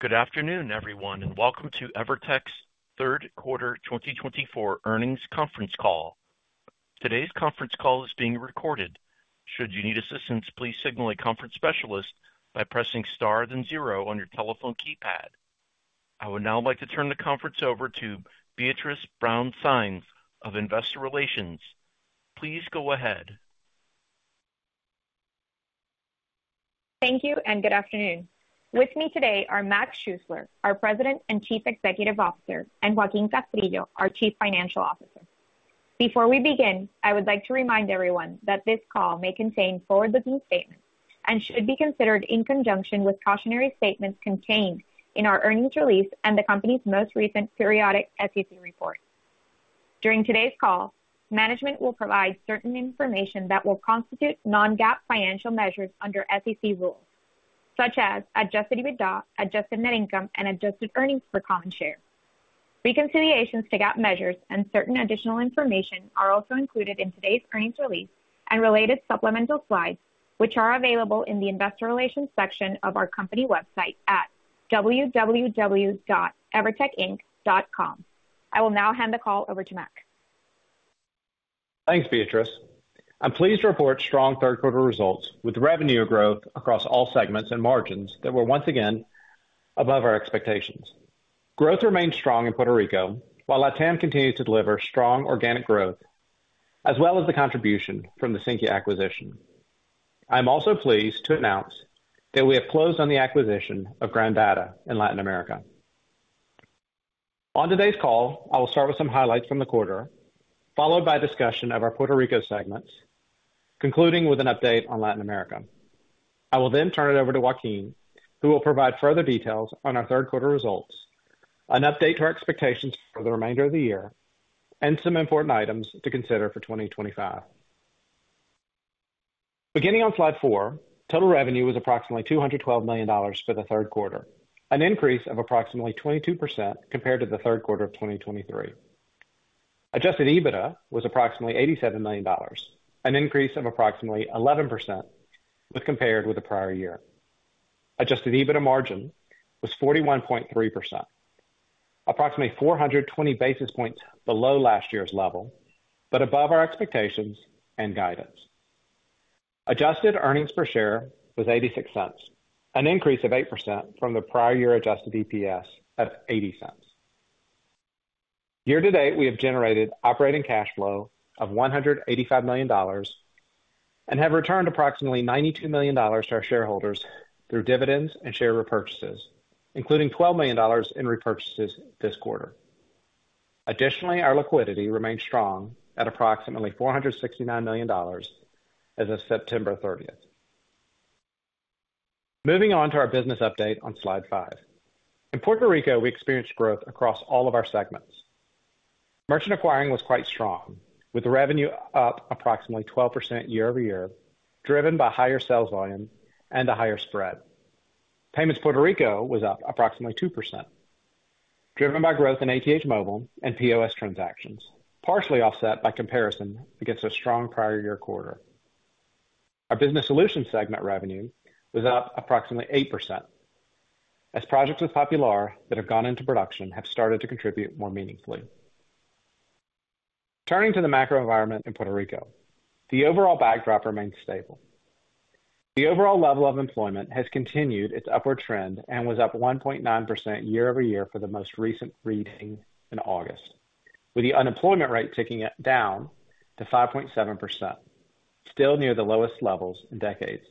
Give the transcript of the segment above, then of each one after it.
Good afternoon, everyone, and welcome to Evertec's Third Quarter 2024 Earnings Conference Call. Today's conference call is being recorded. Should you need assistance, please signal a conference specialist by pressing star then zero on your telephone keypad. I would now like to turn the conference over to Beatriz Brown-Sáenz of Investor Relations. Please go ahead. Thank you, and good afternoon. With me today are Mac Schuessler, our President and Chief Executive Officer, and Joaquin Castrillo, our Chief Financial Officer. Before we begin, I would like to remind everyone that this call may contain forward-looking statements and should be considered in conjunction with cautionary statements contained in our earnings release and the company's most recent periodic SEC report. During today's call, management will provide certain information that will constitute non-GAAP financial measures under SEC rules, such as Adjusted EBITDA, adjusted net income, and adjusted earnings per common share. Reconciliations to GAAP measures and certain additional information are also included in today's earnings release and related supplemental slides, which are available in the Investor Relations section of our company website at www.evertecinc.com. I will now hand the call over to Mac. Thanks, Beatriz. I'm pleased to report strong third-quarter results with revenue growth across all segments and margins that were once again above our expectations. Growth remained strong in Puerto Rico while LATAM continues to deliver strong organic growth, as well as the contribution from the Sinqia acquisition. I'm also pleased to announce that we have closed on the acquisition of Grandata in Latin America. On today's call, I will start with some highlights from the quarter, followed by a discussion of our Puerto Rico segments, concluding with an update on Latin America. I will then turn it over to Joaquin, who will provide further details on our third-quarter results, an update to our expectations for the remainder of the year, and some important items to consider for 2025. Beginning on slide four, total revenue was approximately $212 million for the third quarter, an increase of approximately 22% compared to the third quarter of 2023. Adjusted EBITDA was approximately $87 million, an increase of approximately 11% compared with the prior year. Adjusted EBITDA margin was 41.3%, approximately 420 basis points below last year's level, but above our expectations and guidance. Adjusted earnings per share was $0.86, an increase of 8% from the prior year adjusted EPS of $0.80. Year-to-date, we have generated operating cash flow of $185 million and have returned approximately $92 million to our shareholders through dividends and share repurchases, including $12 million in repurchases this quarter. Additionally, our liquidity remained strong at approximately $469 million as of September 30th. Moving on to our business update on slide five. In Puerto Rico, we experienced growth across all of our segments. Merchant Acquiring was quite strong, with revenue up approximately 12% year-over-year, driven by higher sales volume and a higher spread. Payments Puerto Rico was up approximately 2%, driven by growth in ATH Movil and POS transactions, partially offset by comparison against a strong prior year quarter. Our Business Solutions segment revenue was up approximately 8%, as projects with Popular that have gone into production have started to contribute more meaningfully. Turning to the macro environment in Puerto Rico, the overall backdrop remained stable. The overall level of employment has continued its upward trend and was up 1.9% year-over-year for the most recent briefing in August, with the unemployment rate ticking down to 5.7%, still near the lowest levels in decades.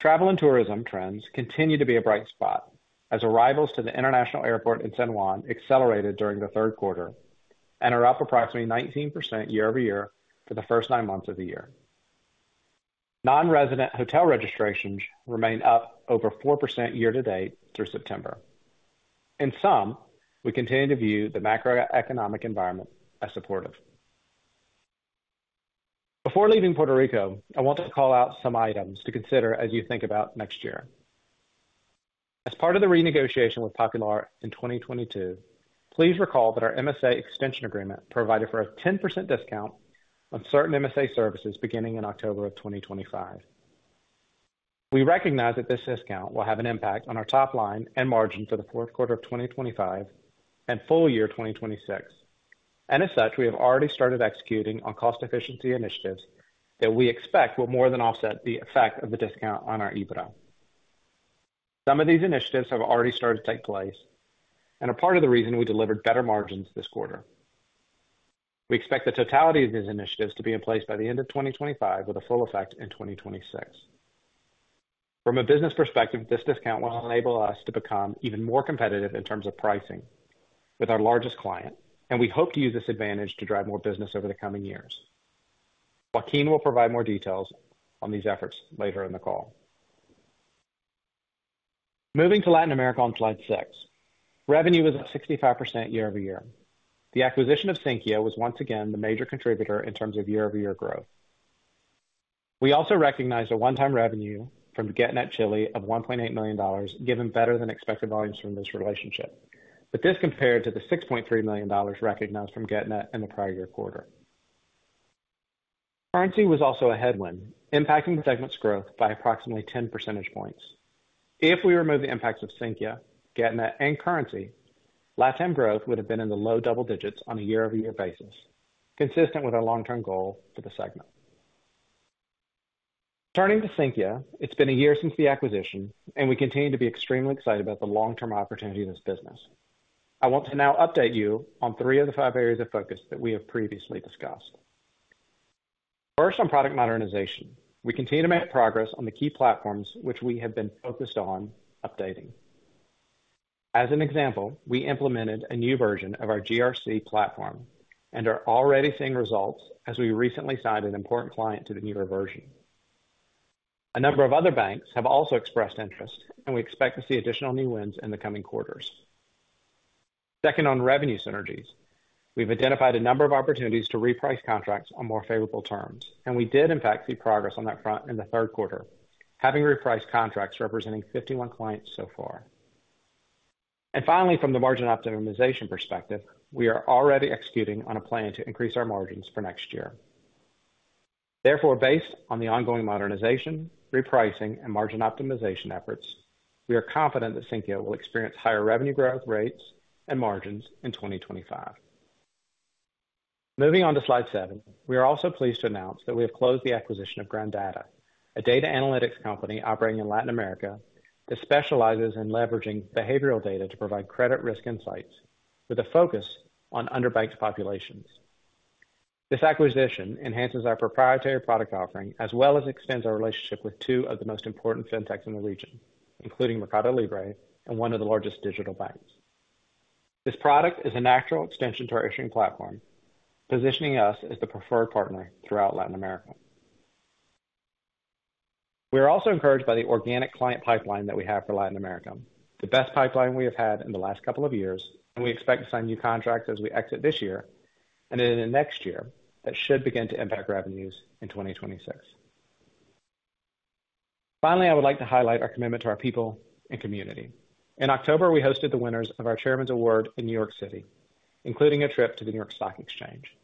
Travel and tourism trends continue to be a bright spot, as arrivals to the international airport in San Juan accelerated during the third quarter and are up approximately 19% year-over-year for the first nine months of the year. Non-resident hotel registrations remain up over 4% year-to-date through September. In sum, we continue to view the macroeconomic environment as supportive. Before leaving Puerto Rico, I want to call out some items to consider as you think about next year. As part of the renegotiation with Popular in 2022, please recall that our MSA extension agreement provided for a 10% discount on certain MSA services beginning in October of 2025. We recognize that this discount will have an impact on our top line and margin for the fourth quarter of 2025 and full year 2026. And as such, we have already started executing on cost efficiency initiatives that we expect will more than offset the effect of the discount on our EBITDA. Some of these initiatives have already started to take place and are part of the reason we delivered better margins this quarter. We expect the totality of these initiatives to be in place by the end of 2025, with a full effect in 2026. From a business perspective, this discount will enable us to become even more competitive in terms of pricing with our largest client, and we hope to use this advantage to drive more business over the coming years. Joaquin will provide more details on these efforts later in the call. Moving to Latin America on slide six, revenue was up 65% year-over-year. The acquisition of Sinqia was once again the major contributor in terms of year-over-year growth. We also recognized a one-time revenue from Getnet Chile of $1.8 million, given better than expected volumes from this relationship. But this compared to the $6.3 million recognized from Getnet in the prior year quarter. Currency was also a headwind, impacting the segment's growth by approximately 10 percentage points. If we remove the impacts of Sinqia, Getnet, and currency, LATAM growth would have been in the low double digits on a year-over-year basis, consistent with our long-term goal for the segment. Turning to Sinqia, it's been a year since the acquisition, and we continue to be extremely excited about the long-term opportunity of this business. I want to now update you on three of the five areas of focus that we have previously discussed. First, on product modernization, we continue to make progress on the key platforms which we have been focused on updating. As an example, we implemented a new version of our GRC platform and are already seeing results as we recently signed an important client to the newer version. A number of other banks have also expressed interest, and we expect to see additional new wins in the coming quarters. Second, on revenue synergies, we've identified a number of opportunities to reprice contracts on more favorable terms, and we did, in fact, see progress on that front in the third quarter, having repriced contracts representing 51 clients so far. And finally, from the margin optimization perspective, we are already executing on a plan to increase our margins for next year. Therefore, based on the ongoing modernization, repricing, and margin optimization efforts, we are confident that Sinqia will experience higher revenue growth rates and margins in 2025. Moving on to slide seven, we are also pleased to announce that we have closed the acquisition of Grandata, a data analytics company operating in Latin America that specializes in leveraging behavioral data to provide credit risk insights with a focus on underbanked populations. This acquisition enhances our proprietary product offering as well as extends our relationship with two of the most important fintechs in the region, including Mercado Libre and one of the largest digital banks. This product is a natural extension to our issuing platform, positioning us as the preferred partner throughout Latin America. We are also encouraged by the organic client pipeline that we have for Latin America, the best pipeline we have had in the last couple of years, and we expect to sign new contracts as we exit this year and in the next year that should begin to impact revenues in 2026. Finally, I would like to highlight our commitment to our people and community. In October, we hosted the winners of our Chairman's Award in New York City, including a trip to the New York Stock Exchange.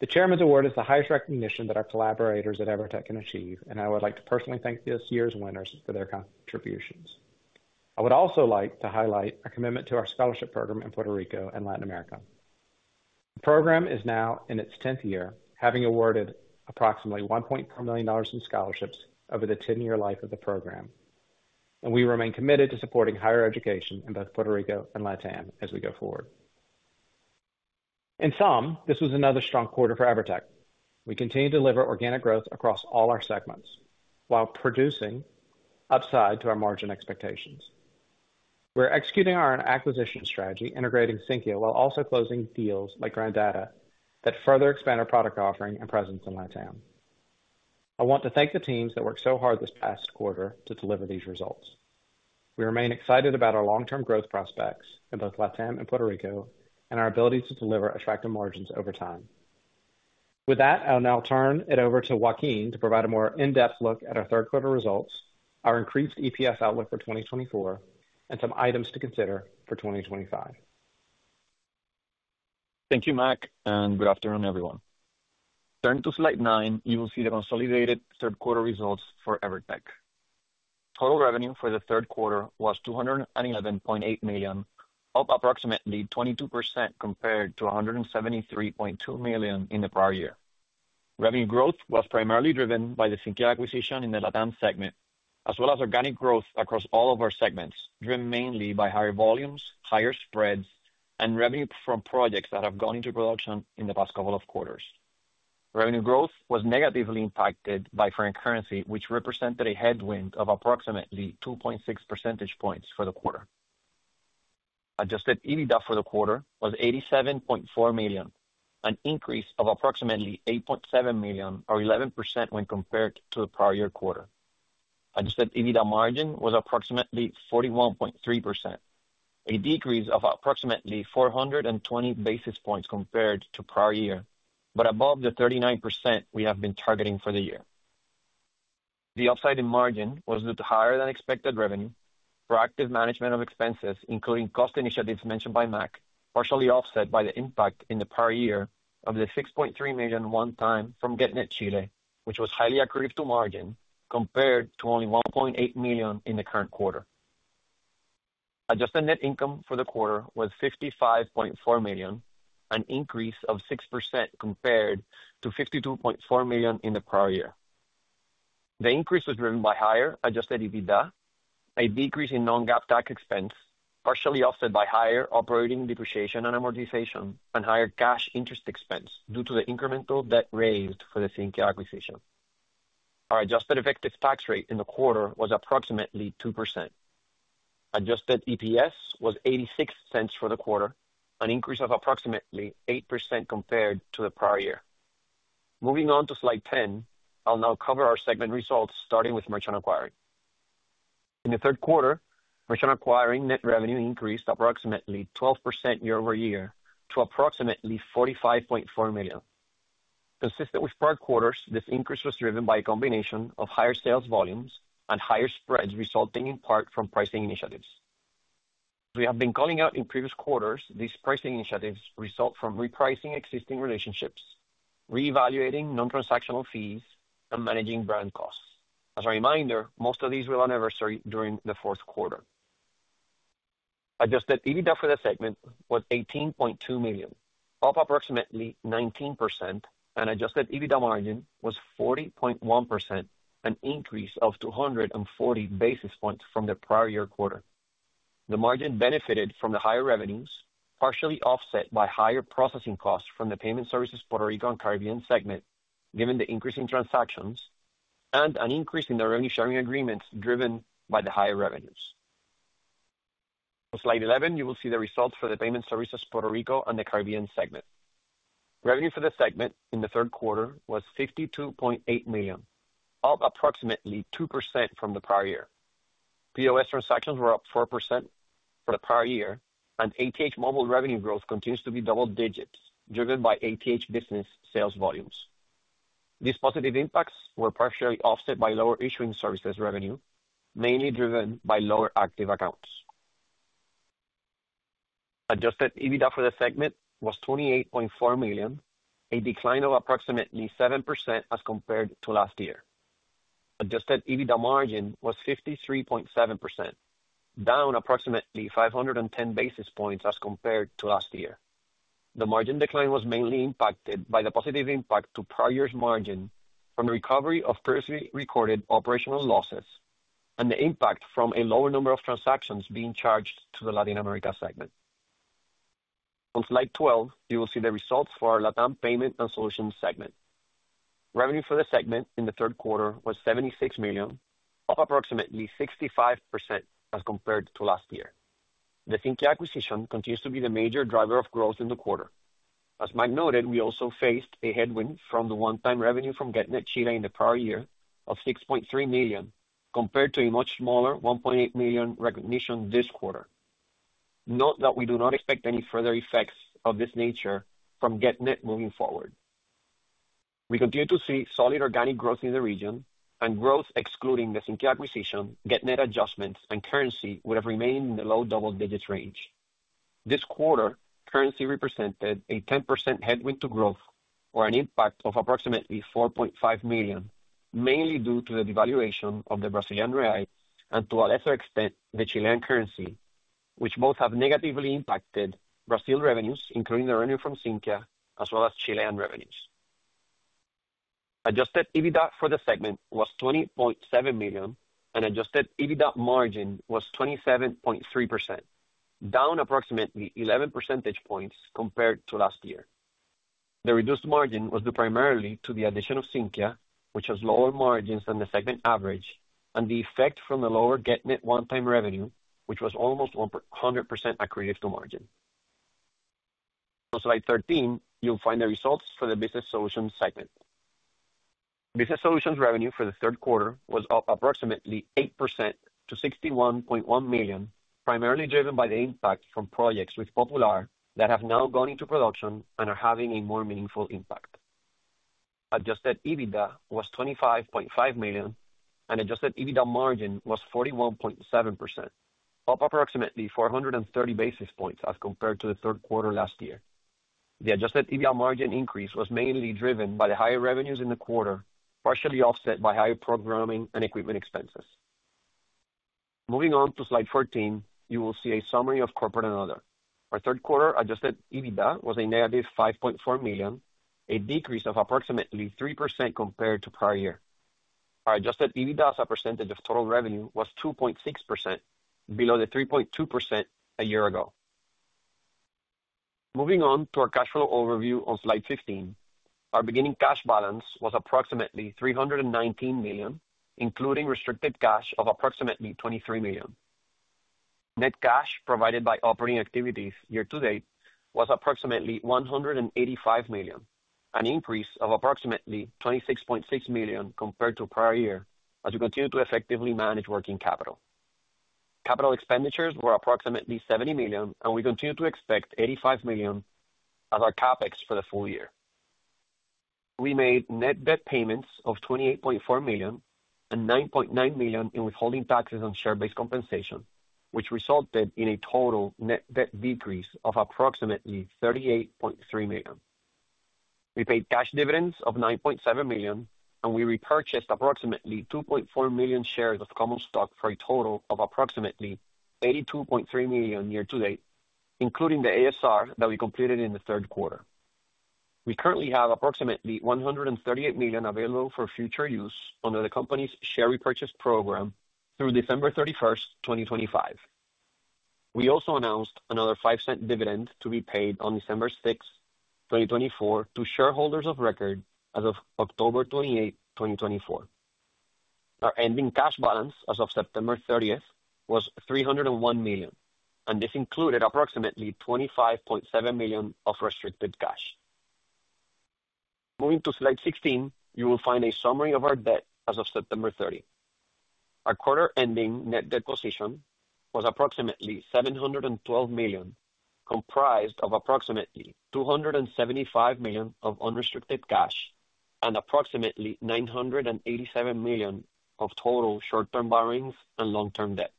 The Chairman's Award is the highest recognition that our collaborators at Evertec can achieve, and I would like to personally thank this year's winners for their contributions. I would also like to highlight our commitment to our scholarship program in Puerto Rico and Latin America. The program is now in its 10th year, having awarded approximately $1.4 million in scholarships over the 10-year life of the program, and we remain committed to supporting higher education in both Puerto Rico and LATAM as we go forward. In sum, this was another strong quarter for Evertec. We continue to deliver organic growth across all our segments while producing upside to our margin expectations. We're executing our acquisition strategy, integrating Sinqia while also closing deals like Grandata that further expand our product offering and presence in LATAM. I want to thank the teams that worked so hard this past quarter to deliver these results. We remain excited about our long-term growth prospects in both LATAM and Puerto Rico and our ability to deliver attractive margins over time. With that, I'll now turn it over to Joaquin to provide a more in-depth look at our third-quarter results, our increased EPS outlook for 2024, and some items to consider for 2025. Thank you, Mac, and good afternoon, everyone. Turning to slide nine, you will see the consolidated third-quarter results for Evertec. Total revenue for the third quarter was $211.8 million, up approximately 22% compared to $173.2 million in the prior year. Revenue growth was primarily driven by the Sinqia acquisition in the LATAM segment, as well as organic growth across all of our segments, driven mainly by higher volumes, higher spreads, and revenue from projects that have gone into production in the past couple of quarters. Revenue growth was negatively impacted by foreign currency, which represented a headwind of approximately 2.6 percentage points for the quarter. Adjusted EBITDA for the quarter was $87.4 million, an increase of approximately $8.7 million, or 11% when compared to the prior year quarter. Adjusted EBITDA margin was approximately 41.3%, a decrease of approximately 420 basis points compared to prior year, but above the 39% we have been targeting for the year. The upside in margin was due to higher than expected revenue for active management of expenses, including cost initiatives mentioned by Mac, partially offset by the impact in the prior year of the $6.3 million one-time from Getnet Chile, which was highly accrued to margin compared to only $1.8 million in the current quarter. Adjusted net income for the quarter was $55.4 million, an increase of 6% compared to $52.4 million in the prior year. The increase was driven by higher adjusted EBITDA, a decrease in non-GAAP tax expense, partially offset by higher operating depreciation and amortization, and higher cash interest expense due to the incremental debt raised for the Sinqia acquisition. Our adjusted effective tax rate in the quarter was approximately 2%. Adjusted EPS was $0.86 for the quarter, an increase of approximately 8% compared to the prior year. Moving on to slide 10, I'll now cover our segment results, starting with merchant acquiring. In the third quarter, merchant acquiring net revenue increased approximately 12% year-over-year to approximately $45.4 million. Consistent with prior quarters, this increase was driven by a combination of higher sales volumes and higher spreads, resulting in part from pricing initiatives. We have been calling out in previous quarters, these pricing initiatives result from repricing existing relationships, reevaluating non-transactional fees, and managing brand costs. As a reminder, most of these will anniversary during the fourth quarter. Adjusted EBITDA for the segment was $18.2 million, up approximately 19%, and adjusted EBITDA margin was 40.1%, an increase of 240 basis points from the prior year quarter. The margin benefited from the higher revenues, partially offset by higher processing costs from the Payment Services Puerto Rico and Caribbean segment, given the increase in transactions and an increase in the revenue sharing agreements driven by the higher revenues. On slide 11, you will see the results for the Payment Services-Puerto Rico and the Caribbean segment. Revenue for the segment in the third quarter was $52.8 million, up approximately 2% from the prior year. POS transactions were up 4% for the prior year, and ATH Movil revenue growth continues to be double digits, driven by ATH business sales volumes. These positive impacts were partially offset by lower issuing services revenue, mainly driven by lower active accounts. Adjusted EBITDA for the segment was $28.4 million, a decline of approximately 7% as compared to last year. Adjusted EBITDA margin was 53.7%, down approximately 510 basis points as compared to last year. The margin decline was mainly impacted by the positive impact to prior year's margin from the recovery of previously recorded operational losses and the impact from a lower number of transactions being charged to the Latin America segment. On slide 12, you will see the results for our LATAM Payment and Solution segment. Revenue for the segment in the third quarter was $76 million, up approximately 65% as compared to last year. The Sinqia acquisition continues to be the major driver of growth in the quarter. As Mac noted, we also faced a headwind from the one-time revenue from Getnet Chile in the prior year of $6.3 million compared to a much smaller $1.8 million recognition this quarter. Note that we do not expect any further effects of this nature from Getnet moving forward. We continue to see solid organic growth in the region, and growth excluding the Sinqia acquisition, Getnet adjustments, and currency would have remained in the low double digits range. This quarter, currency represented a 10% headwind to growth or an impact of approximately $4.5 million, mainly due to the devaluation of the Brazilian real and, to a lesser extent, the Chilean currency, which both have negatively impacted Brazil revenues, including the revenue from Sinqia, as well as Chilean revenues. Adjusted EBITDA for the segment was $20.7 million, and adjusted EBITDA margin was 27.3%, down approximately 11 percentage points compared to last year. The reduced margin was due primarily to the addition of Sinqia, which has lower margins than the segment average, and the effect from the lower Getnet one-time revenue, which was almost 100% accretive to margin. On slide 13, you'll find the results for the Business Solutions segment. Business Solutions revenue for the third quarter was up approximately 8% to $61.1 million, primarily driven by the impact from projects with Popular that have now gone into production and are having a more meaningful impact. Adjusted EBITDA was $25.5 million, and adjusted EBITDA margin was 41.7%, up approximately 430 basis points as compared to the third quarter last year. The adjusted EBITDA margin increase was mainly driven by the higher revenues in the quarter, partially offset by higher programming and equipment expenses. Moving on to slide 14, you will see a summary of corporate and other. Our third quarter adjusted EBITDA was a negative $5.4 million, a decrease of approximately 3% compared to prior year. Our adjusted EBITDA as a percentage of total revenue was 2.6%, below the 3.2% a year ago. Moving on to our cash flow overview on slide 15, our beginning cash balance was approximately $319 million, including restricted cash of approximately $23 million. Net cash provided by operating activities year-to-date was approximately $185 million, an increase of approximately $26.6 million compared to prior year, as we continue to effectively manage working capital. Capital expenditures were approximately $70 million, and we continue to expect $85 million as our CapEx for the full year. We made net debt payments of $28.4 million and $9.9 million in withholding taxes on share-based compensation, which resulted in a total net debt decrease of approximately $38.3 million. We paid cash dividends of $9.7 million, and we repurchased approximately 2.4 million shares of common stock for a total of approximately $82.3 million year-to-date, including the ASR that we completed in the third quarter. We currently have approximately $138 million available for future use under the company's share repurchase program through December 31, 2025. We also announced another $0.05 dividend to be paid on December 6, 2024, to shareholders of record as of October 28, 2024. Our ending cash balance as of September 30 was $301 million, and this included approximately $25.7 million of restricted cash. Moving to slide 16, you will find a summary of our debt as of September 30. Our quarter-ending net debt position was approximately $712 million, comprised of approximately $275 million of unrestricted cash and approximately $987 million of total short-term borrowings and long-term debt.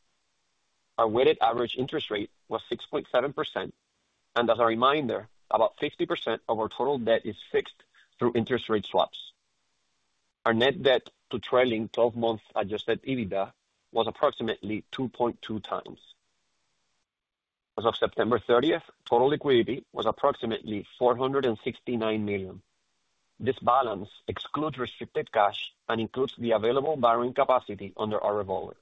Our weighted average interest rate was 6.7%, and as a reminder, about 50% of our total debt is fixed through interest rate swaps. Our net debt to trailing 12-month Adjusted EBITDA was approximately 2.2 times. As of September 30, total liquidity was approximately $469 million. This balance excludes restricted cash and includes the available borrowing capacity under our revolver.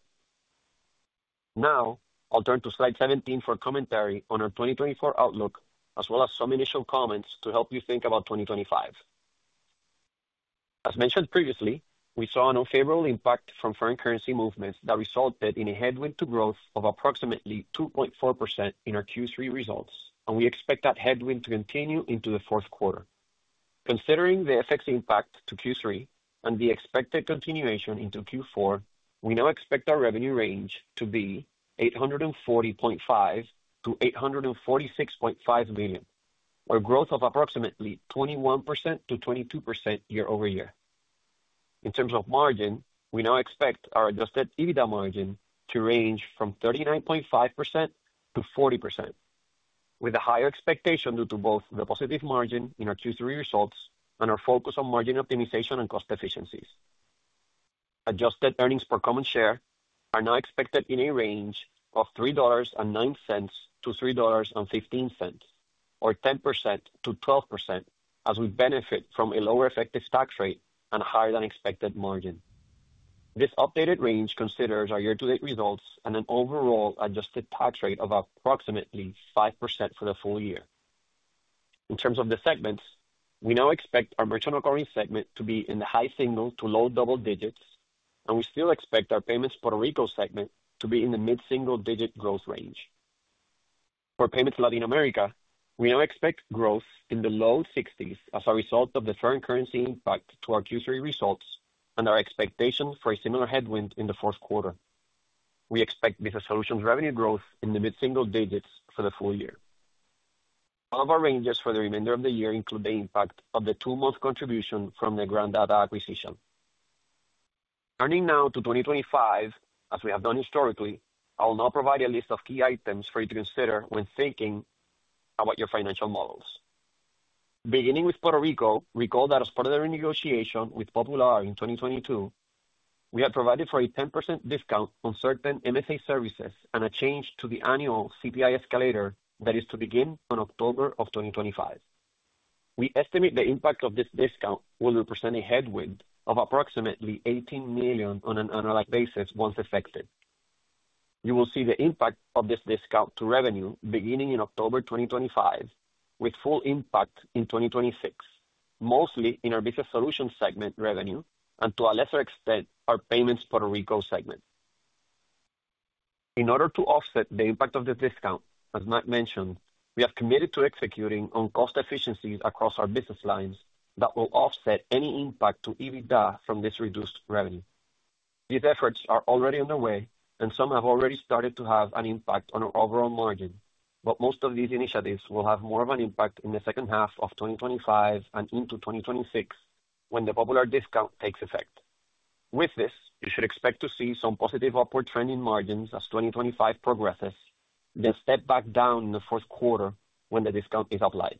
Now, I'll turn to slide 17 for commentary on our 2024 outlook, as well as some initial comments to help you think about 2025. As mentioned previously, we saw an unfavorable impact from foreign currency movements that resulted in a headwind to growth of approximately 2.4% in our Q3 results, and we expect that headwind to continue into the fourth quarter. Considering the FX impact to Q3 and the expected continuation into Q4, we now expect our revenue range to be $840.5 million-$846.5 million, or a growth of approximately 21%-22% year-over-year. In terms of margin, we now expect our Adjusted EBITDA margin to range from 39.5%-40%, with a higher expectation due to both the positive margin in our Q3 results and our focus on margin optimization and cost efficiencies. Adjusted earnings per common share are now expected in a range of $3.09-$3.15, or 10%-12%, as we benefit from a lower effective tax rate and a higher-than-expected margin. This updated range considers our year-to-date results and an overall adjusted tax rate of approximately 5% for the full year. In terms of the segments, we now expect our Merchant Acquiring segment to be in the high single to low double digits, and we still expect our Payments Puerto Rico segment to be in the mid-single digit growth range. For Payments Latin America, we now expect growth in the low 60s, as a result of the foreign currency impact to our Q3 results and our expectation for a similar headwind in the fourth quarter. We expect Business Solutions revenue growth in the mid-single digits% for the full year. Some of our ranges for the remainder of the year include the impact of the two-month contribution from the Grandata acquisition. Turning now to 2025, as we have done historically, I'll now provide a list of key items for you to consider when thinking about your financial models. Beginning with Puerto Rico, recall that as part of the renegotiation with Popular in 2022, we had provided for a 10% discount on certain MSA services and a change to the annual CPI escalator that is to begin on October of 2025. We estimate the impact of this discount will represent a headwind of approximately $18 million on an annual basis once effected. You will see the impact of this discount to revenue beginning in October 2025, with full impact in 2026, mostly in our Business Solutions segment revenue and, to a lesser extent, our payments Puerto Rico segment. In order to offset the impact of this discount, as Mac mentioned, we have committed to executing on cost efficiencies across our business lines that will offset any impact to EBITDA from this reduced revenue. These efforts are already underway, and some have already started to have an impact on our overall margin, but most of these initiatives will have more of an impact in the second half of 2025 and into 2026 when the Popular discount takes effect. With this, you should expect to see some positive upward trend in margins as 2025 progresses, then step back down in the fourth quarter when the discount is applied.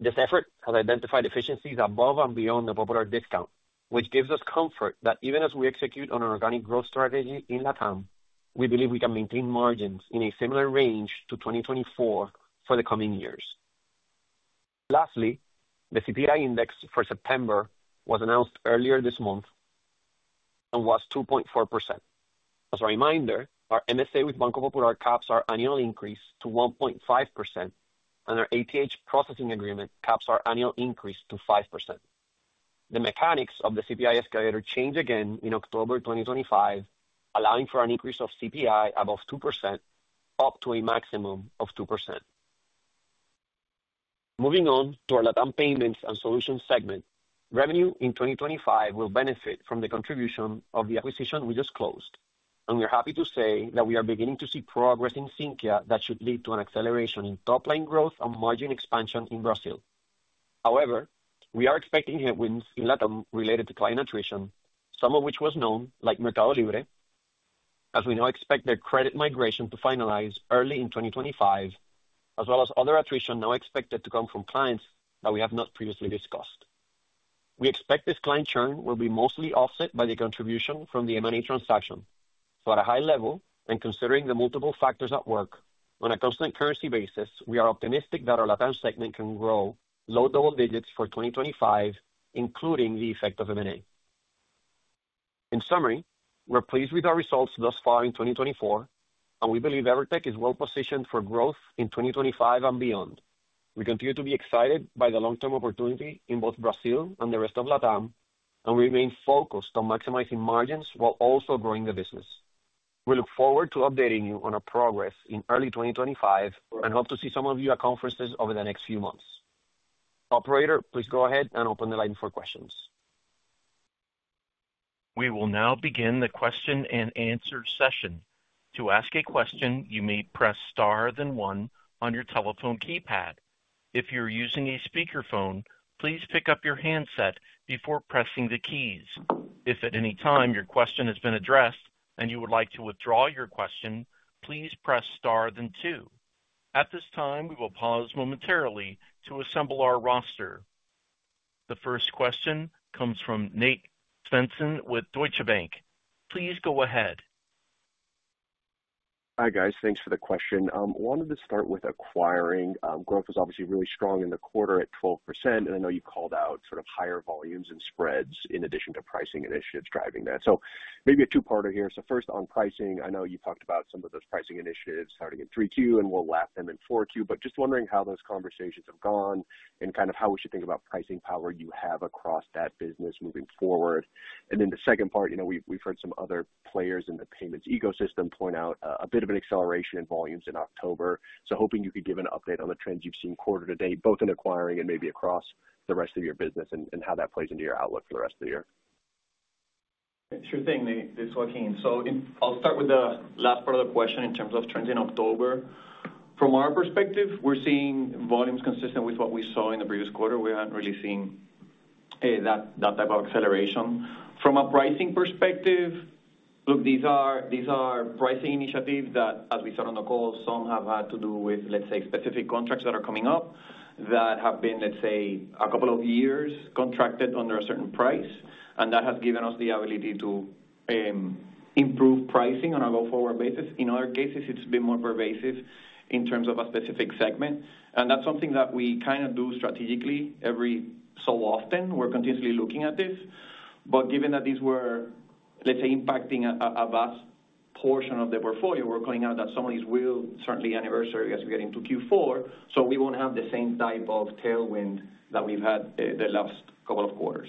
This effort has identified efficiencies above and beyond the Popular discount, which gives us comfort that even as we execute on an organic growth strategy in LATAM, we believe we can maintain margins in a similar range to 2024 for the coming years. Lastly, the CPI index for September was announced earlier this month and was 2.4%. As a reminder, our MSA with Banco Popular caps our annual increase to 1.5%, and our ATH processing agreement caps our annual increase to 5%. The mechanics of the CPI escalator change again in October 2025, allowing for an increase of CPI above 2%, up to a maximum of 2%. Moving on to our LATAM Payment and Solution segment, revenue in 2025 will benefit from the contribution of the acquisition we just closed, and we are happy to say that we are beginning to see progress in Sinqia that should lead to an acceleration in top-line growth and margin expansion in Brazil. However, we are expecting headwinds in LATAM related to client attrition, some of which was known, like Mercado Libre, as we now expect their credit migration to finalize early in 2025, as well as other attrition now expected to come from clients that we have not previously discussed. We expect this client churn will be mostly offset by the contribution from the M&A transaction, so at a high level and considering the multiple factors at work, on a constant currency basis, we are optimistic that our LATAM segment can grow low double digits for 2025, including the effect of M&A. In summary, we're pleased with our results thus far in 2024, and we believe Evertec is well positioned for growth in 2025 and beyond. We continue to be excited by the long-term opportunity in both Brazil and the rest of LATAM, and we remain focused on maximizing margins while also growing the business. We look forward to updating you on our progress in early 2025 and hope to see some of you at conferences over the next few months. Operator, please go ahead and open the line for questions. We will now begin the Q&A session. To ask a question, you may press star then one on your telephone keypad. If you're using a speakerphone, please pick up your handset before pressing the keys. If at any time your question has been addressed and you would like to withdraw your question, please press star then two. At this time, we will pause momentarily to assemble our roster. The first question comes from Nate Svensson with Deutsche Bank. Please go ahead. Hi guys, thanks for the question. I wanted to start with acquiring. Growth was obviously really strong in the quarter at 12%, and I know you called out sort of higher volumes and spreads in addition to pricing initiatives driving that. So maybe a two-parter here. So first on pricing, I know you talked about some of those pricing initiatives starting in 3Q and will lap them in 4Q, but just wondering how those conversations have gone and kind of how we should think about pricing power you have across that business moving forward. And then the second part, you know we've heard some other players in the payments ecosystem point out a bit of an acceleration in volumes in October. So hoping you could give an update on the trends you've seen quarter-to-date, both in acquiring and maybe across the rest of your business and how that plays into your outlook for the rest of the year. Sure thing, Nate, its Joaquin. So I'll start with the last part of the question in terms of trends in October. From our perspective, we're seeing volumes consistent with what we saw in the previous quarter. We haven't really seen that type of acceleration. From a pricing perspective, look, these are pricing initiatives that, as we said on the call, some have had to do with, let's say, specific contracts that are coming up that have been, let's say, a couple of years contracted under a certain price, and that has given us the ability to improve pricing on a go-forward basis. In other cases, x it's been more pervasive in terms of a specific segment, and that's something that we kind of do strategically every so often. We're continuously looking at this, but given that these were, let's say, impacting a vast portion of the portfolio, we're calling out that some of these will certainly be anniversary as we get into Q4, so we won't have the same type of tailwind that we've had the last couple of quarters.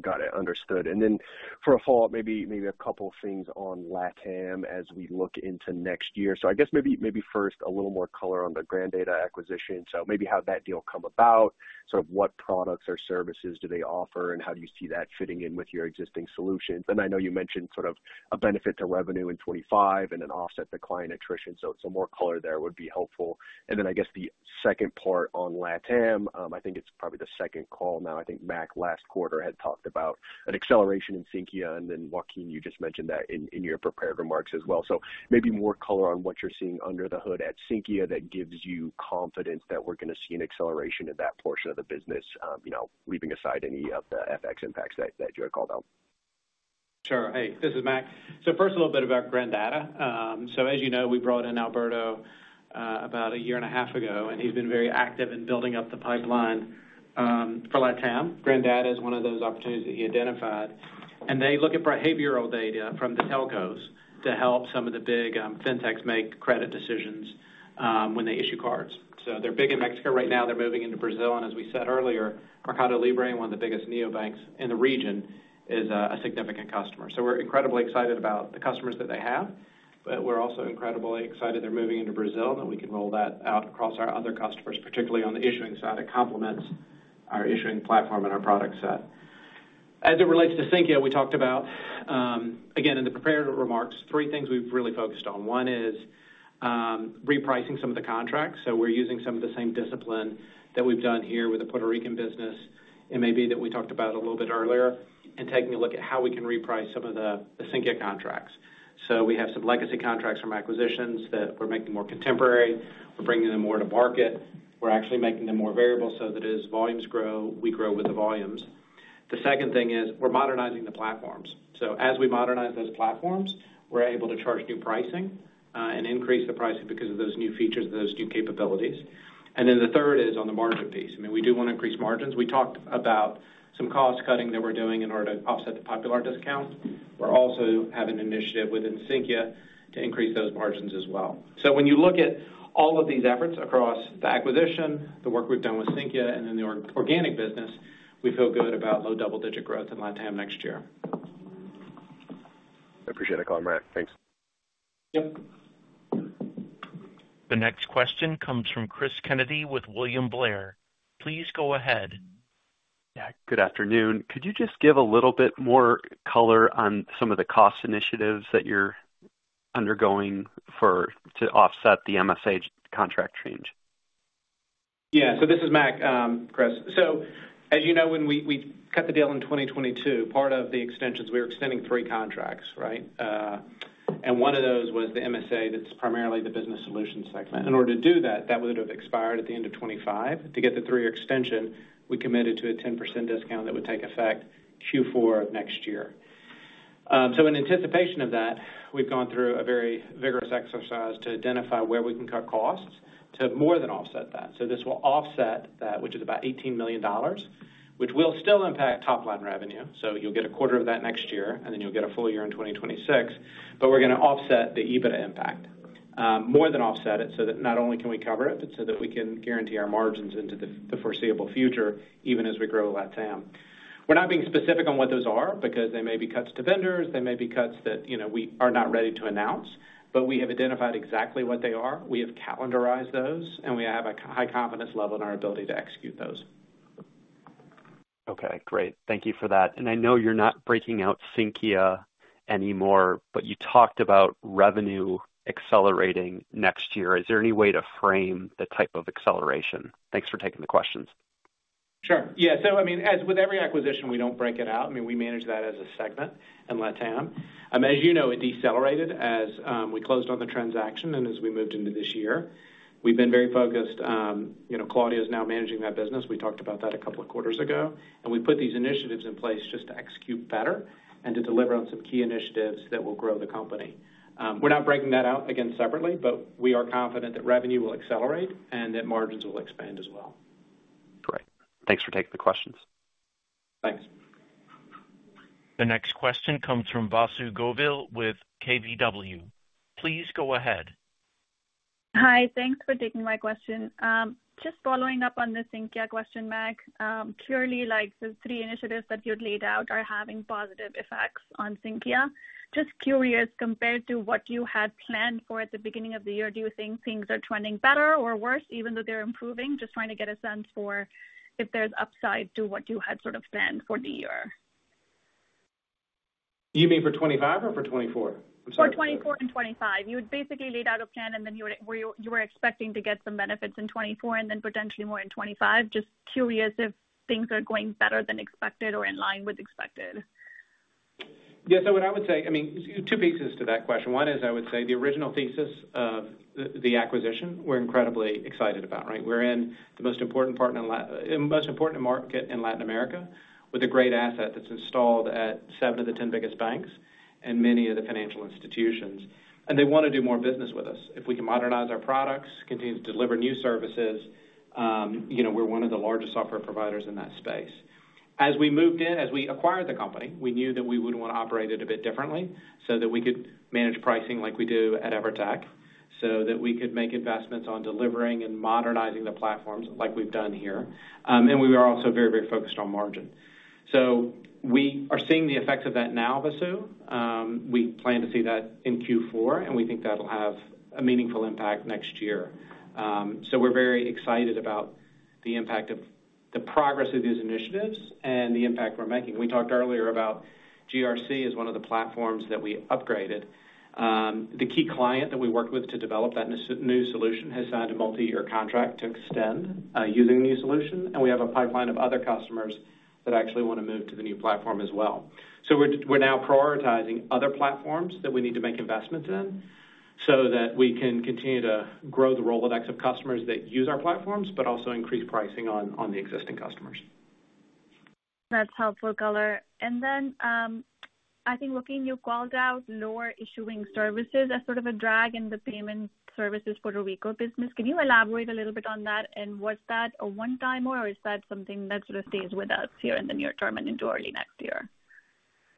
Got it, understood. And then for a follow-up, maybe a couple of things on LATAM as we look into next year. So I guess maybe first a little more color on the Grandata acquisition. So maybe how that deal came about, sort of what products or services do they offer, and how do you see that fitting in with your existing solutions? And I know you mentioned sort of a benefit to revenue in 2025 and an offset to client attrition, so some more color there would be helpful. And then I guess the second part on LATAM. I think it's probably the second call now. I think Mac last quarter had talked about an acceleration in Sinqia, and then Joaquin, you just mentioned that in your prepared remarks as well. So maybe more color on what you're seeing under the hood at Sinqia that gives you confidence that we're going to see an acceleration in that portion of the business, you know, leaving aside any of the FX impacts that you had called out. Sure, hey, this is Mac. So first, a little bit about Grandata. So as you know, we brought in Alberto about a year and a half ago, and he's been very active in building up the pipeline for LATAM. Grandata is one of those opportunities that he identified, and they look at behavioral data from the telcos to help some of the big fintechs make credit decisions when they issue cards. So they're big in Mexico right now. They're moving into Brazil, and as we said earlier, Mercado Libre, one of the biggest neobanks in the region, is a significant customer. So we're incredibly excited about the customers that they have, but we're also incredibly excited they're moving into Brazil and that we can roll that out across our other customers, particularly on the issuing side. It complements our issuing platform and our product set. As it relates to Sinqia, we talked about, again, in the prepared remarks, three things we've really focused on. One is repricing some of the contracts. So we're using some of the same discipline that we've done here with the Puerto Rican business, and maybe that we talked about a little bit earlier, and taking a look at how we can reprice some of the Sinqia contracts. So we have some legacy contracts from acquisitions that we're making more contemporary. We're bringing them more to market. We're actually making them more variable so that as volumes grow, we grow with the volumes. The second thing is we're modernizing the platforms. So as we modernize those platforms, we're able to charge new pricing and increase the pricing because of those new features, those new capabilities. And then the third is on the margin piece. I mean, we do want to increase margins. We talked about some cost cutting that we're doing in order to offset the Popular discount. We're also having an initiative within Sinqia to increase those margins as well. So when you look at all of these efforts across the acquisition, the work we've done with Sinqia, and then the organic business, we feel good about low double-digit growth in LATAM next year. I appreciate the comment. Thanks. The next question comes from Chris Kennedy with William Blair. Please go ahead. Yeah, good afternoon. Could you just give a little bit more color on some of the cost initiatives that you're undergoing to offset the MSA contract change? Yeah, so this is Mac, Chris. So as you know, when we cut the deal in 2022, part of the extensions, we were extending three contracts, right? And one of those was the MSA that's primarily the Business Solutions segment. In order to do that, that would have expired at the end of 2025. To get the three-year extension, we committed to a 10% discount that would take effect Q4 of next year. So in anticipation of that, we've gone through a very vigorous exercise to identify where we can cut costs to more than offset that. So this will offset that, which is about $18 million, which will still impact top-line revenue. So you'll get a quarter of that next year, and then you'll get a full year in 2026, but we're going to offset the EBITDA impact, more than offset it so that not only can we cover it, but so that we can guarantee our margins into the foreseeable future, even as we grow LATAM. We're not being specific on what those are because they may be cuts to vendors. They may be cuts that we are not ready to announce, but we have identified exactly what they are. We have calendarized those, and we have a high confidence level in our ability to execute those. Okay, great. Thank you for that, and I know you're not breaking out Sinqia anymore, but you talked about revenue accelerating next year. Is there any way to frame the type of acceleration? Thanks for taking the questions. Sure. Yeah, so I mean, as with every acquisition, we don't break it out. I mean, we manage that as a segment in LATAM. As you know, it decelerated as we closed on the transaction and as we moved into this year. We've been very focused. Claudio is now managing that business. We talked about that a couple of quarters ago, and we put these initiatives in place just to execute better and to deliver on some key initiatives that will grow the company. We're not breaking that out again separately, but we are confident that revenue will accelerate and that margins will expand as well. Great. Thanks for taking the questions. Thanks. The next question comes from Vasu Govil with KBW. Please go ahead. Hi, thanks for taking my question. Just following up on the Sinqia question, Mac, clearly the three initiatives that you'd laid out are having positive effects on Sinqia. Just curious, compared to what you had planned for at the beginning of the year, do you think things are trending better or worse, even though they're improving? Just trying to get a sense for if there's upside to what you had sort of planned for the year. You mean for 2025 or for 2024? I'm sorry. For 2024 and 2025. You had basically laid out a plan, and then you were expecting to get some benefits in 2024 and then potentially more in 2025. Just curious if things are going better than expected or in line with expected? Yeah, so what I would say, I mean, two pieces to that question. One is I would say the original thesis of the acquisition we're incredibly excited about, right? We're in the most important part in the most important market in Latin America with a great asset that's installed at seven of the ten biggest banks and many of the financial institutions, and they want to do more business with us. If we can modernize our products, continue to deliver new services, we're one of the largest software providers in that space. As we moved in, as we acquired the company, we knew that we would want to operate it a bit differently so that we could manage pricing like we do at Evertec, so that we could make investments on delivering and modernizing the platforms like we've done here. And we are also very, very focused on margin. So we are seeing the effects of that now, Vasu. We plan to see that in Q4, and we think that'll have a meaningful impact next year. So we're very excited about the impact of the progress of these initiatives and the impact we're making. We talked earlier about GRC as one of the platforms that we upgraded. The key client that we worked with to develop that new solution has signed a multi-year contract to extend using the new solution, and we have a pipeline of other customers that actually want to move to the new platform as well. So we're now prioritizing other platforms that we need to make investments in so that we can continue to grow the Rolodex of customers that use our platforms, but also increase pricing on the existing customers. That's helpful, Vasu. And then I think looking you called out lower issuing services as sort of a drag in the Payment Services Puerto Rico business. Can you elaborate a little bit on that, and was that a one-time or is that something that sort of stays with us here in the near term and into early next year?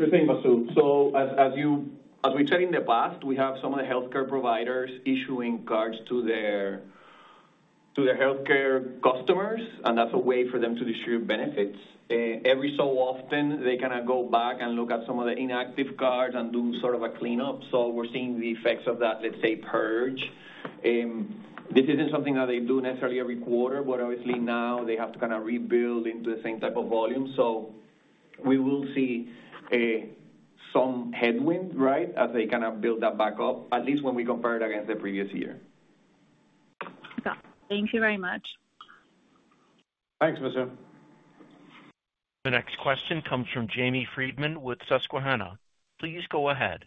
Sure thing, Vasu. So as we said in the past, we have some of the healthcare providers issuing cards to their healthcare customers, and that's a way for them to distribute benefits. Every so often, they kind of go back and look at some of the inactive cards and do sort of a cleanup. So we're seeing the effects of that, let's say, purge. This isn't something that they do necessarily every quarter, but obviously now they have to kind of rebuild into the same type of volume. So we will see some headwind, right, as they kind of build that back up, at least when we compare it against the previous year. Thank you very much. Thanks, Vasu. The next question comes from Jamie Friedman with Susquehanna. Please go ahead.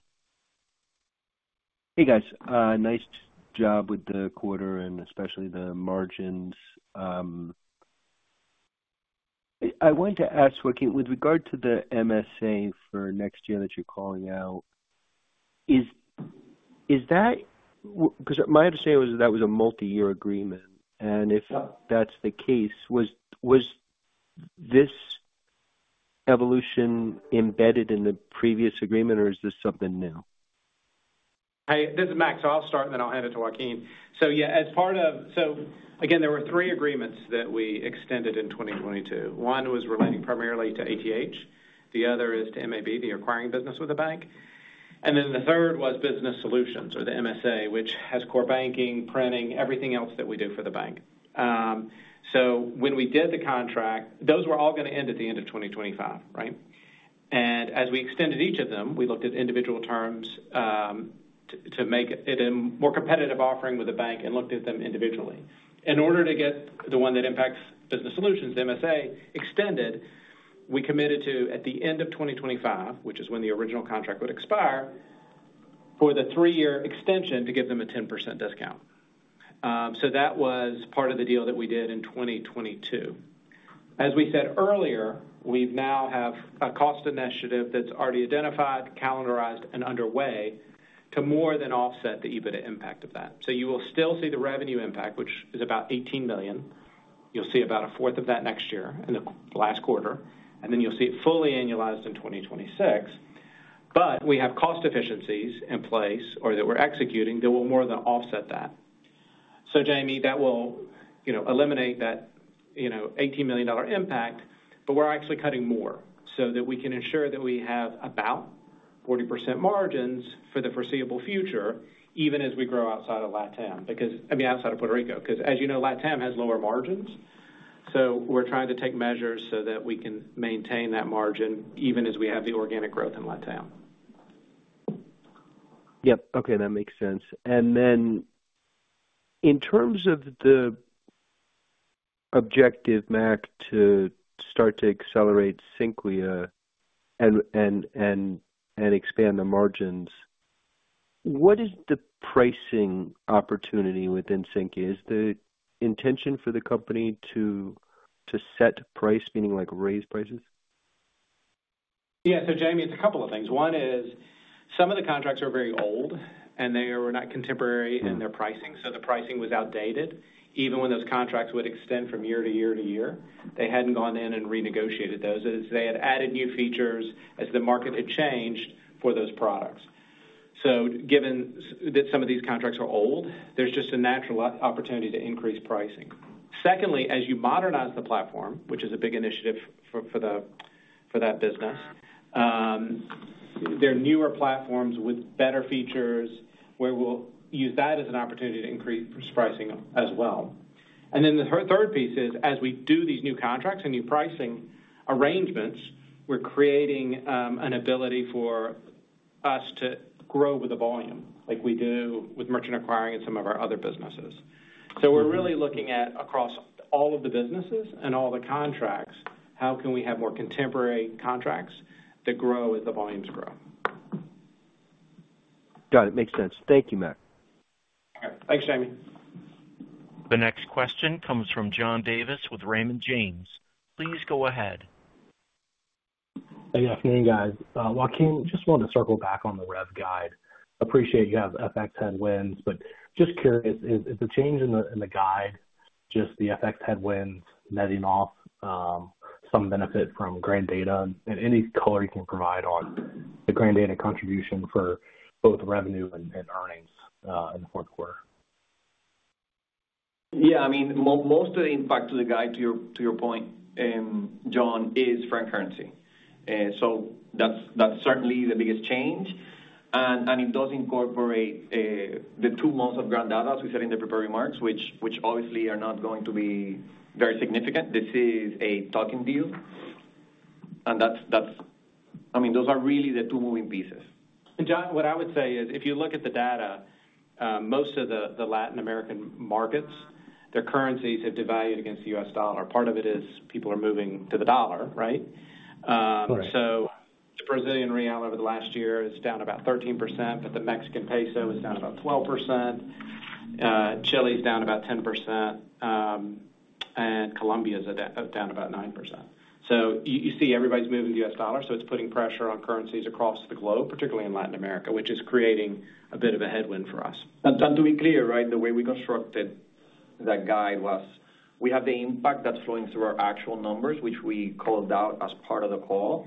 Hey, guys. Nice job with the quarter and especially the margins. I wanted to ask, Joaquin, with regard to the MSA for next year that you're calling out, is that because my understanding was that that was a multi-year agreement? And if that's the case, was this evolution embedded in the previous agreement, or is this something new? Hey, this is Mac. So I'll start, and then I'll hand it to Joaquin. So yeah, as part of so again, there were three agreements that we extended in 2022. One was relating primarily to ATH. The other is to MAB, the acquiring business with the bank. And then the third was Business Solutions or the MSA, which has core banking, printing, everything else that we do for the bank. So when we did the contract, those were all going to end at the end of 2025, right? As we extended each of them, we looked at individual terms to make it a more competitive offering with the bank and looked at them individually. In order to get the one that impacts Business Solutions, the MSA extended, we committed to, at the end of 2025, which is when the original contract would expire, for the three-year extension to give them a 10% discount. So that was part of the deal that we did in 2022. As we said earlier, we now have a cost initiative that's already identified, calendarized, and underway to more than offset the EBITDA impact of that. So you will still see the revenue impact, which is about $18 million. You'll see about a fourth of that next year in the last quarter, and then you'll see it fully annualized in 2026. But we have cost efficiencies in place or that we're executing that will more than offset that. So Jamie, that will eliminate that $18 million impact, but we're actually cutting more so that we can ensure that we have about 40% margins for the foreseeable future, even as we grow outside of LATAM, because I mean, outside of Puerto Rico, because as you know, LATAM has lower margins. So we're trying to take measures so that we can maintain that margin even as we have the organic growth in LATAM. Yep. Okay, that makes sense. And then in terms of the objective, Mac, to start to accelerate Sinqia and expand the margins, what is the pricing opportunity within Sinqia? Is the intention for the company to set price, meaning like raise prices? Yeah, so Jamie, it's a couple of things. One is some of the contracts are very old, and they were not contemporary in their pricing. So the pricing was outdated. Even when those contracts would extend from year to year to year, they hadn't gone in and renegotiated those as they had added new features as the market had changed for those products. So given that some of these contracts are old, there's just a natural opportunity to increase pricing. Secondly, as you modernize the platform, which is a big initiative for that business, there are newer platforms with better features where we'll use that as an opportunity to increase pricing as well. And then the third piece is, as we do these new contracts and new pricing arrangements, we're creating an ability for us to grow with the volume like we do with merchant acquiring and some of our other businesses. So we're really looking at across all of the businesses and all the contracts, how can we have more contemporary contracts that grow as the volumes grow. Got it. Makes sense. Thank you, Mac. Thanks, Jamie. The next question comes from John Davis with Raymond James. Please go ahead. Hey, afternoon, guys. Joaquin, just wanted to circle back on the rev guide. Appreciate you have FX headwinds, but just curious, is the change in the guide just the FX headwinds netting off some benefit from Grandata and any color you can provide on the Grandata contribution for both revenue and earnings in the fourth quarter? Yeah, I mean, most of the impact of the guide, to your point, John, is for currency. So that's certainly the biggest change. And it does incorporate the two months of Grandata, as we said in the prepared remarks, which obviously are not going to be very significant. This is a tuck-in deal. And I mean, those are really the two moving pieces. John, what I would say is, if you look at the data, most of the Latin American markets, their currencies have devalued against the U.S. dollar. Part of it is people are moving to the dollar, right? So the Brazilian real over the last year is down about 13%, but the Mexican peso is down about 12%. Chile is down about 10%, and Colombia is down about 9%. So you see everybody's moving to the U.S. dollar. So it's putting pressure on currencies across the globe, particularly in Latin America, which is creating a bit of a headwind for us. To be clear, right, the way we constructed that guide was we have the impact that's flowing through our actual numbers, which we called out as part of the call.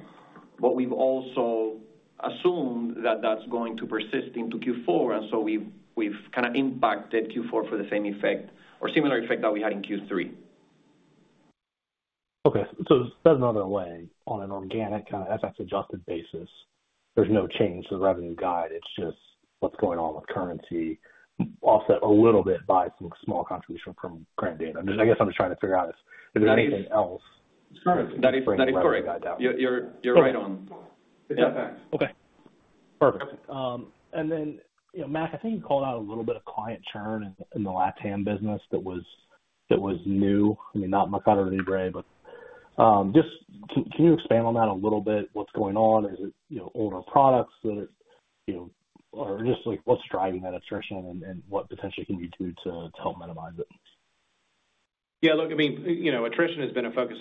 But we've also assumed that that's going to persist into Q4. And so we've kind of impacted Q4 for the same effect or similar effect that we had in Q3. Okay. So that's another way. On an organic kind of FX-adjusted basis, there's no change to the revenue guide. It's just what's going on with currency offset a little bit by some small contribution from Grandata. I guess I'm just trying to figure out if there's anything else for the guide down. You're right on. It's FX. Okay. Perfect. And then, Mac, I think you called out a little bit of client churn in the LATAM business that was new. I mean, not Mercado Libre, but just can you expand on that a little bit? What's going on? Is it older products that are just like what's driving that attrition and what potentially can you do to help minimize it? Yeah, look, I mean, attrition has been a focus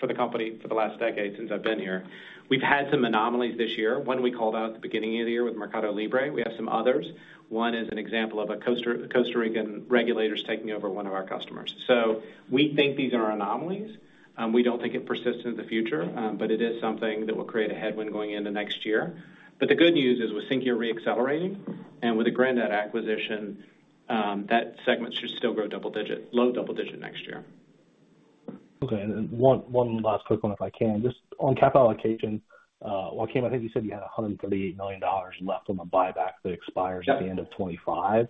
for the company for the last decade since I've been here. We've had some anomalies this year. One we called out at the beginning of the year with Mercado Libre. We have some others. One is an example of a Costa Rican regulator taking over one of our customers. So we think these are anomalies. We don't think it persists into the future, but it is something that will create a headwind going into next year. But the good news is with Sinqia re-accelerating and with the Grandata acquisition, that segment should still grow double-digit, low double-digit next year. Okay. And one last quick one, if I can. Just on capital allocation, Joaquin, I think you said you had $138 million left on the buyback that expires at the end of 2025.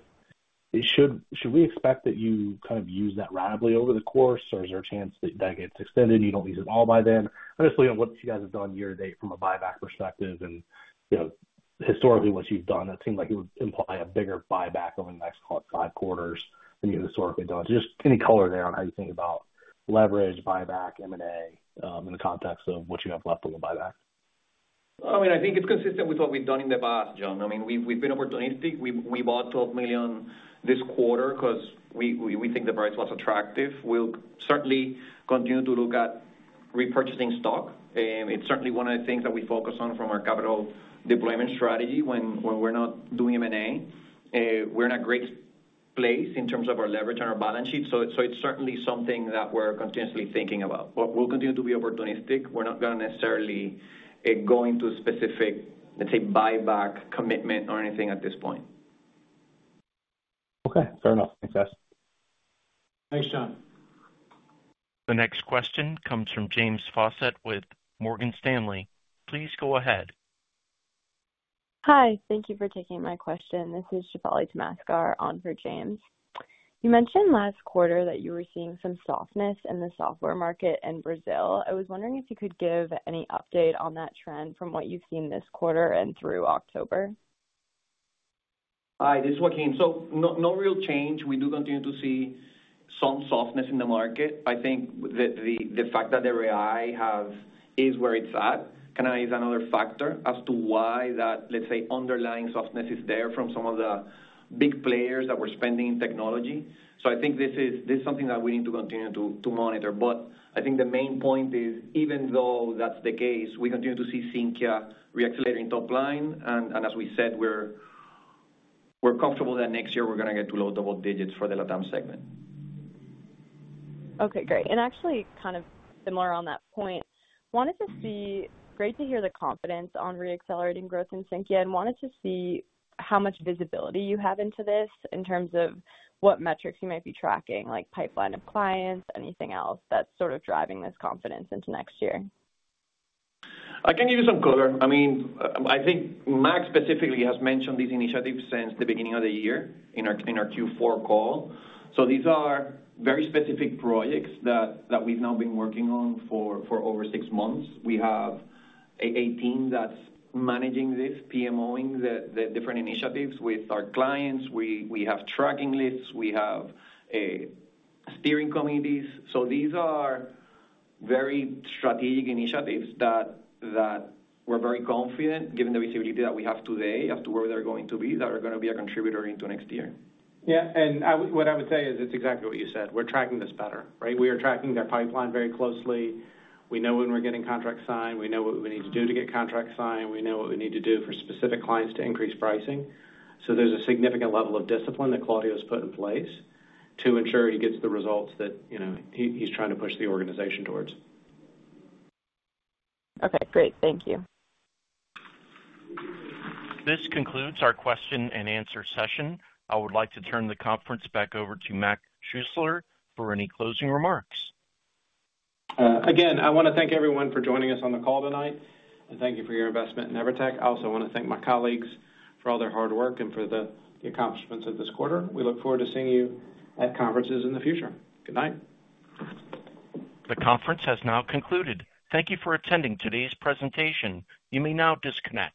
Should we expect that you kind of use that randomly over the course, or is there a chance that gets extended and you don't use it all by then? Obviously, what you guys have done year-to-date from a buyback perspective and historically what you've done, that seemed like it would imply a bigger buyback over the next five quarters than you historically done. Just any color there on how you think about leverage, buyback, M&A in the context of what you have left on the buyback? I mean, I think it's consistent with what we've done in the past, John. I mean, we've been opportunistic. We bought 12 million this quarter because we think the price was attractive. We'll certainly continue to look at repurchasing stock. It's certainly one of the things that we focus on from our capital deployment strategy when we're not doing M&A. We're in a great place in terms of our leverage and our balance sheet. So it's certainly something that we're continuously thinking about. But we'll continue to be opportunistic. We're not going to necessarily go into specific, let's say, buyback commitment or anything at this point. Okay. Fair enough. Thanks, guys. Thanks, John. The next question comes from James Faucette with Morgan Stanley. Please go ahead. Hi. Thank you for taking my question. This is Shefali Tamaskar on for James. You mentioned last quarter that you were seeing some softness in the software market in Brazil. I was wondering if you could give any update on that trend from what you've seen this quarter and through October. Hi. This is Joaquin. So no real change. We do continue to see some softness in the market. I think the fact that the REI is where it's at kind of is another factor as to why that, let's say, underlying softness is there from some of the big players that were spending in technology. So I think this is something that we need to continue to monitor. But I think the main point is, even though that's the case, we continue to see Sinqia re-accelerating top line. And as we said, we're comfortable that next year we're going to get to low double digits for the LATAM segment. Okay. Great. And actually kind of similar on that point, wanted to see great to hear the confidence on re-accelerating growth in Sinqia and wanted to see how much visibility you have into this in terms of what metrics you might be tracking, like pipeline of clients, anything else that's sort of driving this confidence into next year. I can give you some color. I mean, I think Mac specifically has mentioned these initiatives since the beginning of the year in our Q4 call. So these are very specific projects that we've now been working on for over six months. We have a team that's managing this, PMOing the different initiatives with our clients. We have tracking lists. We have steering committees. So these are very strategic initiatives that we're very confident, given the visibility that we have today, as to where they're going to be, that are going to be a contributor into next year. Yeah. And what I would say is it's exactly what you said. We're tracking this better, right? We are tracking their pipeline very closely. We know when we're getting contracts signed. We know what we need to do to get contracts signed. We know what we need to do for specific clients to increase pricing. So there's a significant level of discipline that Claudio has put in place to ensure he gets the results that he's trying to push the organization towards. Okay. Great. Thank you. This concludes our Q&A session. I would like to turn the conference back over to Mac Schuessler for any closing remarks. Again, I want to thank everyone for joining us on the call tonight and thank you for your investment in Evertec. I also want to thank my colleagues for all their hard work and for the accomplishments of this quarter. We look forward to seeing you at conferences in the future. Good night. The conference has now concluded. Thank you for attending today's presentation. You may now disconnect.